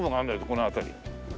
この辺り。